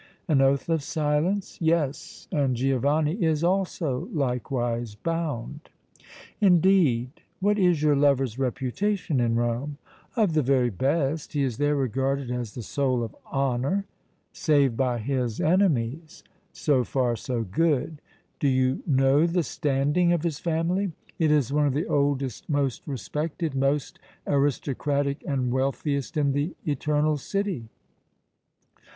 "An oath of silence?" "Yes, and Giovanni is also likewise bound." "Indeed! What is your lover's reputation in Rome?" "Of the very best; he is there regarded as the soul of honor." "Save by his enemies. So far so good. Do you know the standing of his family?" "It is one of the oldest, most respected, most aristocratic and wealthiest in the Eternal City."